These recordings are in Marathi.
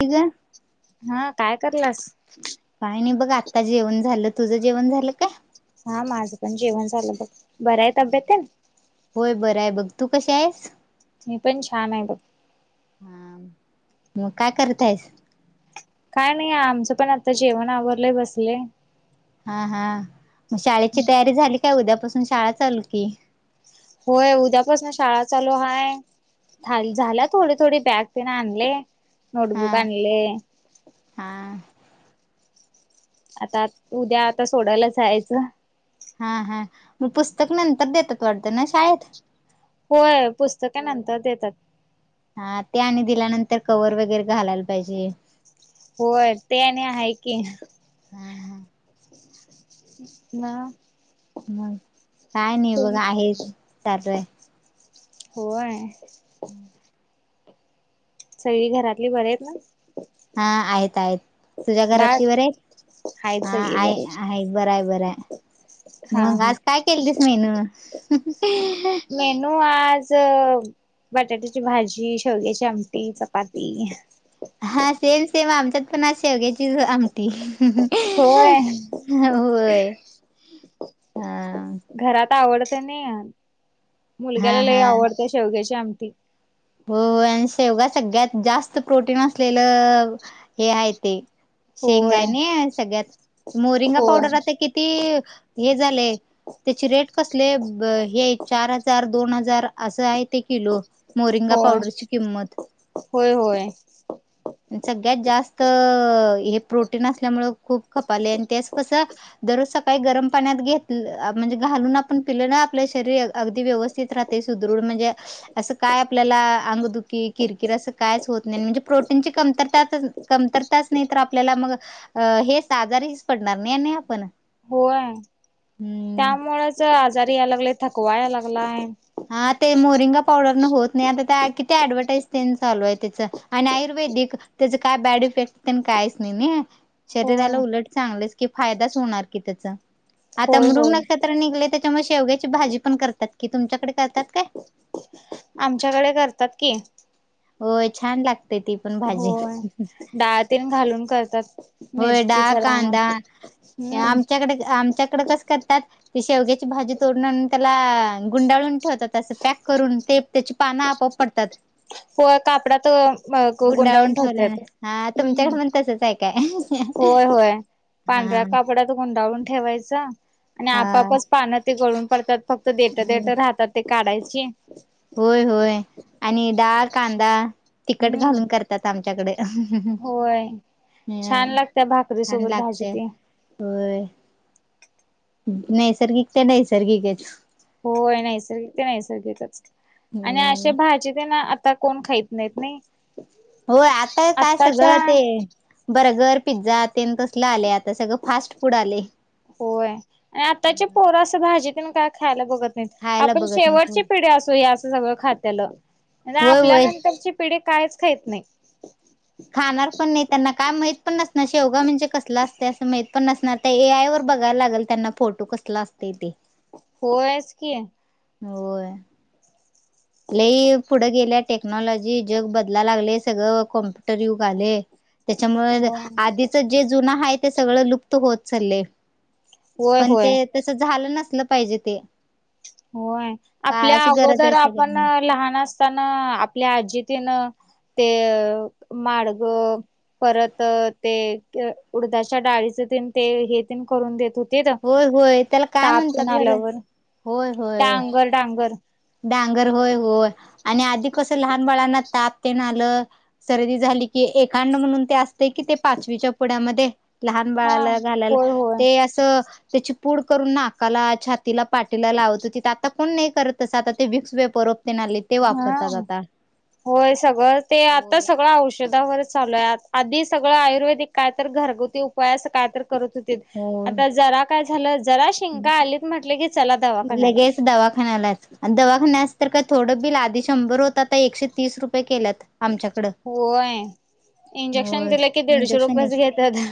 ठी ग हा काय करल्यास? काय नाही बघ? आत्ता जेवण झालं, तुझं जेवण झालं का? हा माझं पण जेवण झालं बघ, बराय तब्येत तेन बरायं बघ, तू कशी आहेस? मी पण छान हाय बघ. हा, मग काय करत हायेस? काय नाही? आमचं पण आता जेवण आवरलंय बसले. हा हा. मग शाळेची तयारी झाली काय? उद्यापासून शाळा चालू की. होय उद्यापासनं शाळा चालू हाय. थाळी झाल्या थोडी, थोडी बॅग तेन आणले हा नोटबुक आणलयं. हा आता उद्या आता सोडायला जायचं. हा हा. मग पुस्तक नंतर देतात, वाटतं ना शाळेत. होय पुस्तके होय, नंतर देतात. हा. ते आणि दिल्यानंतर कवर वग गैरे घालायला पाहिजे. होय ते आणि हाय की. हा हा. ना. मग काय नाही बघ आहे चालू आहे. होय. सगळी घरातली बरी आहेत ना? हा आहेत आहेत, तुझ्या बाळ घरातली बरी आहेत? आहेत हा सगळी आहे बरी. आहे, बरं आहे बरं आहे. हा मग हा आज काय केलतीस मेनू? त आज बटाट्याची भाजी शेवग्याची आमटी चपाती हा सेम सेम आमच्यात पण आज शेवग्याचीच आमटी होय. होय हा आवडत्या नाही हा मुलग्याला लय हा आवडत्या शेवग्याची आमटी हो आणि शेवगा सगळ्यात जास्त प्रोटीन असलेलं हे आहे ते शेंग होय हाय नय सगळ्यात मोरिंगा होय पावडर आता किती हे झालेय त्याची रेट कसली हाय हे चार हजार दोन हजार असं आहे ते किलो मोरिंगा होय पावडरची किंमत होय होय सगळ्यात जास्त हे प्रोटीन असल्यामुळं खूप खपालय आणि त्यास कसं दररोज सकाळी गरम पाण्यात घेत म्हणजे घालून आपण पिले आपलं शरीर अगदी व्यवस्थित राहतंय सुदृढ म्हणजे असं काय आपल्याला अंगदुखी किरकिर अस कायच होत नाही म्हणजे प्रोटीनची कमतरता आता कमतरता नाही तर आपल्याला मग हेच आजारीच पडणार नाही आपण होय हम्म त्यामुळेच आजारी यायला लागले थकवा यायला लागलाय हा ते मोरिंगा पावडर न होत नाही आता त्या किती ऍडव्हटाइज चालू आहेत त्याच आणि आयुर्वेदिक त्याच काय बॅड इफेक्ट तेन काहीच नाही शरीराला होय. उलट चांगलंच की फायदाच होणार की त्याचा आता होय मृग होय नक्षत्र निघलंय त्याच्यामुळे शेवग्याची भाजी पण करतात कि तुमच्या आमच्याकडे करतात कि होय छान लागते ती पण भाजी होय. डाळ तेन घालून करतात होय मिरची डाळ जरा कांदा हम्म. आमच्याकडे आमच्याकडे कस करत्यात ती शेवग्याची भाजी करून आणून त्याला गुंडाळून ठेवतात असं पॅक करून ते त्याची पानं आपोआप पडतात होय कापडात गुंडाळून ठेवल्या हा तुमच्याकडे हम्म मण तसच हाय होय होय पांढऱ्या हा कापड्यात गुंडाळून ठेवायचा आणि हा आपापच पानं ते गळून पडतात फक्त देट देट राहतात ती काढायची होय होय आणि डाळ कांदा तिखट हम्म घालून करतात आमच्याकड हम होय छान लागत्या भाकरी छान सोबत भाजी लागतय ते होय नैसर्गिक ते नैसर्गिकच होय नैसर्गिक ते नैसर्गिकच आणि अशे हम्म भाजी तेन आता कोण खात नाहीत नाही होय आता काय आत्ताच्या सगळं ते बर्गर पिझ्झा तेन तसल आलंय आता सगळं फास्ट फूड आले होय आणि आताची पोरं अस भाजी तेन काय खायला बघत नाही खायला आपण बघत नाही तू शेवटची पिढी असू या असं सगळं खात्याला होय आपल्या होय नंतरची पिढी कायच खाहीत नाही खाणार पण नाही त्यांना काय माहित पण नसणार शेवगा म्हणजे कसलं असते असं माहित माहित पण नसणार त्या ए आय वर बघायला लागणार त्यांना फोटो कसलं असतंय ते होयच की होय लय पुढे गेल्या टेक्नॉलॉजी जग बदलायला लागलंय अगं कॅम्पुटर युग आलंय त्याच्यामुळं होय आधीच जे जुनं आहे ते सगळं लुक होत चाललंय होय पण होय ते तस झालं नसल पाहिजे ते होय आपल्या काळाची गरज अगोदर आहे आपण सगळ्यांना लहान असताना आपल्या आजी तेन ते माडग परत ते उडदाच्या डाळीच ते हे तन करून देत होतो तेेत होय होय त्याला काय ताप म्हणतात पण बरं आल्यावर होय होय डांगर डांगर डांगर होय होय आणि आधी कस लहान बाळांना ताप तेन आलं सर्दी झाली की एकांड म्हणून ते असतं कि ते पाचवीच्या पुढ्यामध्ये लहान हा बाळाला घालायला होय होय ते असं त्याची पुूड करून नाकाला छातीला पाटीला लावत होती तर आता कोण नाही करतच आता ते विक्स वे परत हा होये, सगळं ते आता होय. सगळं औषधावर चालू आधी सगळं आयुर्वेदिक काय तर घरगुती उपायास काय तर? करत होतीत. हो आता जरा काय? झा दवाखान्याला लगेच दवाखान्यालाच आणि दवाखाना अस तर काही थोडं बिल आधी शंभर होत, आता एकशे तीस रुपये केल्यात. आमच्याकडं होय, इंजेक्शन होय दिलं कि दीडशे रुपयचं घेत्यात.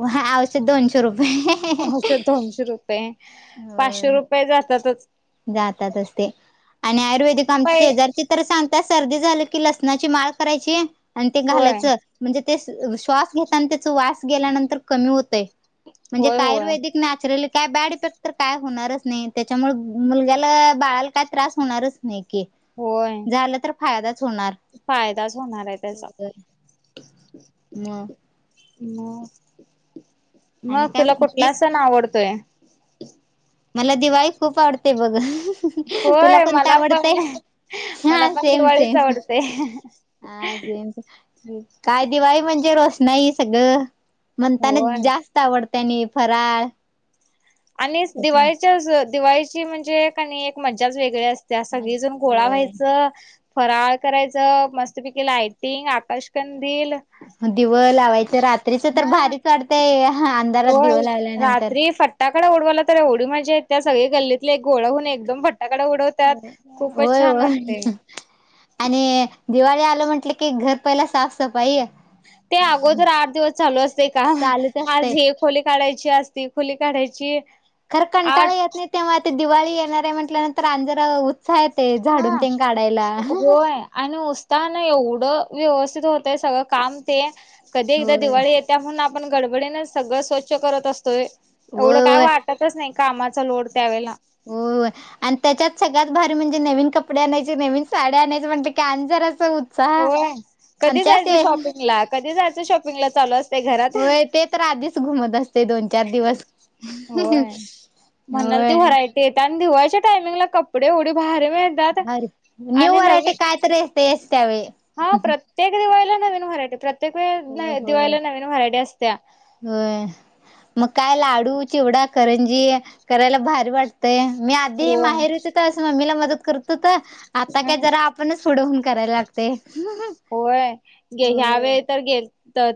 व्हय आवशद दोनशे रुपये. औषध [unintelligible] दोनशे रुपये पाचशे रुपये जातातच. जातात, तच ते आणि आयुर्वेदिक पै आमच्या शेजारची तर, सांगत्यात सर्दी [unintelligible] की लसणाची माळ करायची, आणि ते होय घालायच म्हण ते श्वास घेताना त्याचा वास गेल्यानंतर, कमी होतयं. म्हणजे होय का होय आयुर्वेदिक नॅचरल काय बॅड इफेक्ट तर काय? होणारच नाही, त्याच्यामुळे मुलग्याला बाळाला काय त्रास होणारच, नाही की होय झालं तर फायदा फायदाच होणार आहे. त्याचा मग म आणि मग काय तुला कुठला म्हणतेस सण आवडतोय? मला दिवाळी खूप आवडते बघ. तुला होय कोणत मला पण आवडतंय? मला हा पण सेम दिवाळीच सेम. आवडते [unintelligible] काय दिवाळी म्हणजे, रोषणाई सगळं. म्हणताना, होय जास्त आवडतयं आणि फराळ. आणि त्याच्या दिवाळीच्या दिवाळीची म्हणजे, का एक मज्जाच वेगळी असते. त्या म्हण सगळीजण गोळा होय व्हायचं. फराळ करायचं, मस्तपैकी लायटिंग आकाशकण दिव लावायचं रात्रीच तर भारीच वाटतंय अंधारात दिव [unintelligible] लावल्यानंतर रात्री फट्टाकडे उडवायला तर, एवढी मज्जा येत्या, सगळी गल्लीतली एक गोळं हून एकदम फट होय होय, आणि दिवाळी आ म्हटलं, की घर पहिला साफसफाई. ते अगोदर आठ दिवस चालू असतयं काम चालूच आज असतय ही खोली काढाय [unintelligible] खोली काढायची. खरं आठ कंटाळा येत नाही, तेव्हा ते दिवाळी येणार आहे. म्हटल्यानंतर आणि जरा उत्साह येतय हा झाडून तेन काढायला होय, आणि उसताना एवढं व्यवस्थ कस होतय, सगळं काम ते कधी एकदा होय दिवाळी येते, म्हणून आपण गडबडीन सगळं स्वच्छ करत असतोय, एवढं होय काय होय वाटतच नाही. कामाचा लोड त्यावेळेला हो, आणि त्याच्यात सगळ्यात भारी म्हणजे नवीन कपडे आणायची, नवीन साड्या आणायचं म्हटलं, कि आणि जरा होय, कधी जायचं शॉपिंगला कधी जायचं? शॉपिंगला चालू घरात होय, ते तर आधीच घुमत असतयं दोन, चार दिवस. म्हणल, ती होय व्हरायटी येत्या, आणि दिवाळच्या टायमिंगला कपडे एवढे भ भारी [unintelligible] न्यू आणि व्हरायटी नवीन काय तरी असतेच त्यावेळी हा प्रत्येक दिवाळीला नवीन व्हरायटी, प्रत्येक दिवाळीला नवीन व्हरायटी असत्या. व्हय. मग काय लाडू, चिवडा, करंजी करायला भारी वाटतयं. मी आधीही होय माहेरी होतो, तर असं मम्मीला मदत करत होतो. आता काय जरा आपणच पुढं हून करायला लागतयं. होय, ह्या होय वेळी तर गे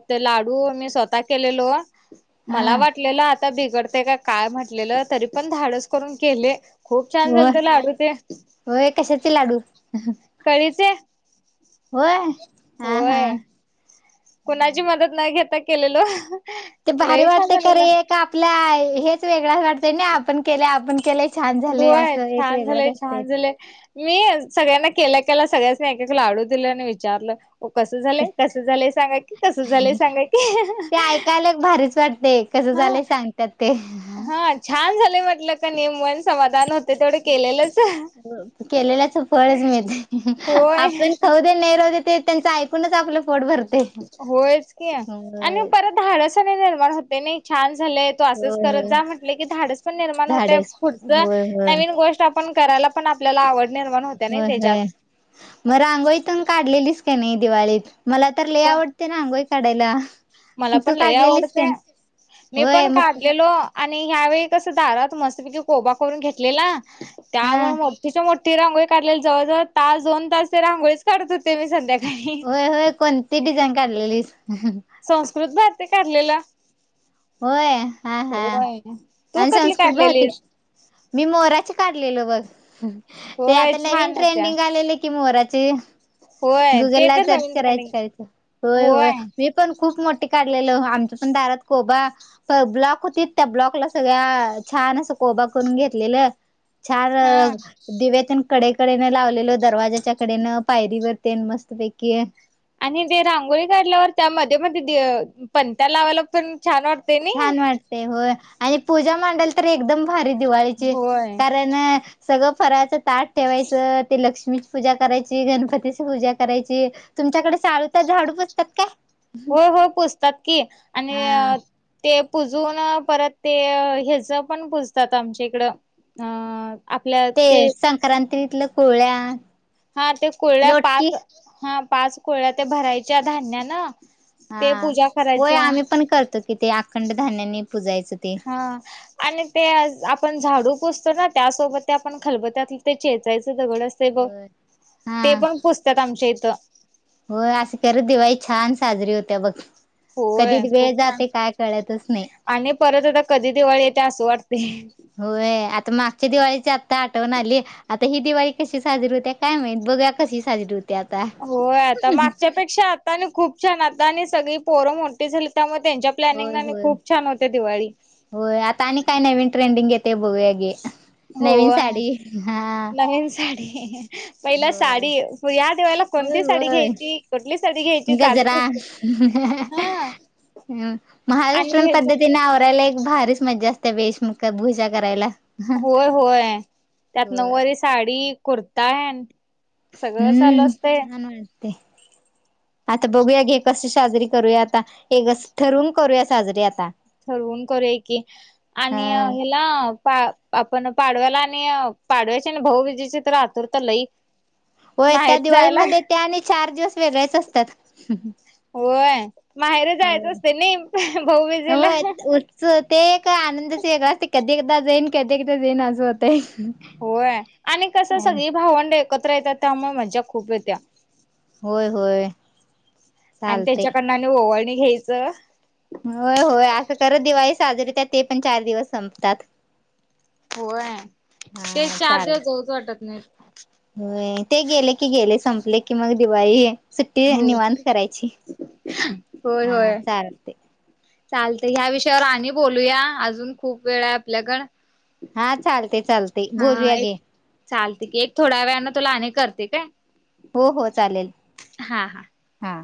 ते लाडू मी स्वतः केलेलो. मला हा वाटलेलं आता बिघडतयं का काय म्हटलेलं तरी पण धाडस करून केले. खूप छान होय झालतं लाडू ते. होय कशाचे लाडू कळीचे. होय हा हा होय. कुणाची मदत नाही घेता, केलेलो. ते भारी लई छान वाटते, झालेलं एक आपल्या हेच वेगळंच वाटतंयं ना आपण केलयं आपण केलयं. होय छान झालंय छान झालंय मी सगळ्यांना केल्या केला सगळ्या.... एक एक लाडू दिलं आणि विचारलं... हो कसं झालंय कस झालंय सांगाय कि कस झालंय सांगाय कि.... झालं सांगतात ते.... हा छान झाले म्हटलं का निय मन समाधान होते तेवढे केलेलंच.... केलेल्याच फळच मिळते होय आपण खाऊ दे नाही राहू दे ते त्यांच ऐकूनच आपलं.... पोट भरते होयच की आणि होय परत धाडस नाही निर्माण होते नाही छान... झाय त असंच होय करत होय जा म्हट की धाडस पण निर्माण होत झाडच पुढच होय होय नवीन गोष्ट आपण.... करायला पण आपल्याला आवड... निर्माण होते नाही होय होय त्याच्यात. मग रांगोळीत काढलेलीच... काय नाही दिवाळीत मला तर ले आवडते ना रांगोळी काढायला.... मला पण तू लय काढलेलीस का आवडते नाही मी होय पण मग काढलेलो... आणि ह्यावेळी कसं दारात मस्तपैकी कोबा करून घेतलेला हा त्यामुळे मोठीच मो... ती रांगोळी काढलेली जवळजवळ तास दोन तास ते रांगोळीच काढत होते.... ते मी संध्याकाळी... होय होय कोणती डिझाईन काढलेलीस संस्कृत भारती ते काढलेला.. होय हा हा होय तू आणि कुठली संस्कृत भारती काढलेलीस मी मोराचे... काढलेल बघ ते होय आता नवीन छान होत्या ट्रेंडिंग आलेले की मोराचे... होय गुगल ते ला तर सर्च नवीन ट्रेंडिंग करायच होय होय मी पण खूप मोठे.. काढलेलं आमच्या पण दारात.. कोबा प ब्लॉक होती त्या ब्लॉकला सगळ्या छान असं कोबा करून घेतलेलं... चार हा दिवेेतन... कडेकडेन लावलेलो दरवाजाच्या कडेनं पायरीवर तेन मस्तपैकी आणि ते रांगोळी काढल्यावर त्या मध्ये मध्ये पणत्या लावायला पण... छान वाटते नाही छान वाटते हो... आणि पूजा मांडल तर एकदम भारी दिवाळीची होय कारण... सगळं फराळाचं ताट ठेवायचं ते लक्ष्मीची पूजा करायची गणपतीची पूजा करायची... तुमच्याकडे सालूथा तर झाडू पुसतात का? हो हो पूजतात की आणि... हा ते पुजून परत ते हच पण पुजतात आमच्या इकडं अं... ते संक्रांतीतलं कोळ्या... हा ते कोळळ्या पाच लोटकी हा पाच कोळळ्या ते भरायच्या धान्या ना.... हा होय आम्ही पण करतो कि ते अखंड धान्यानी... पुजायचं ते हा आणि ते आपण झाडू पोस... त्यासोबत ते आपण खलबत्यात ते चेचायच... दगड असतय ब होय ते पण पुजतात आमच्या इथं... हो असं ख दिवाळी छान साजरी होत्या बघ... कधी होय खूप वेळ छान जाते काय कळतच नाही... आणि परत आता कधी दिवळ येते असं वाटते... च्या दिवाळीची आता आठवण आली आता ही दिवाळी कशी साजरी होते्य काय माहित बघुया कशी साजरी होती... ती आता... हो आता मागच्यापेक्षा आता आणि खूप छान आता आणि सगळी पोरं मोठी झाली त्यामध्ये... होय प्लनिंग होय खूपछान होते दिवस... होय आता आणि काय नाही विंटरेंडिंग घेते बघूया की... नवीन होय. साडी हा.. नवीन साडी... पहिला होय साडी या दिवाळीला होय कोणती साडी होय घ्यायची कुठली साडी घ्यायची गजरा चालूत असते.... हा... हम् आणि महाराष्ट्रन ह्याच पद्धतीने आवरायला एक भारीच मजा असते वेशभूषा करायला... होय होय त्यात होय नऊवारी साडी कुर्ता आहे.. हम्म छान वाते आता बघूया की कस साजरी करूया आता एक ठरून करूया साजरी आता ठरवून करू की आणि हा हला पा आपण पाडव्याला आणि पाडव्याची आणि भाऊबीजेची तर आतुरता लई होय त्या माहेरी जायला दिवाळीमध्ये त्या आणि चार दिवस वेगळ्याच असतात होय माहेर जायचं असते नाही भाऊबीजेला हो उरच ते एक आनंदाचे वेगळ असते कधी कधी एकदा जेईन कधी एकदा जेन आस होते होय आणि कसं सगळी भावंड एकत्र येतात त्यामुळे मज्जा खूप येत्या होय होय आणि चालतंय. त्याच्याकडन म ओवळणी घ्यायचं होय होय असं कर दिवाळी साजरीत ते पण चार दिवस संपतात होय ते चार दिवस जाऊच वाटत नाही हो ते गेले की गेले संपले की मग दिवाळी सुट्टी हो निवांत करायची होय हा होय चालते चालत ह्या विषयावर आणि बोलूया अजून खूप वेळ आहे आपल्याकड हा चाल हा एक चालते की एक थोड्या वेळने तुला अने करते काय हो हो चालेल हा हा हा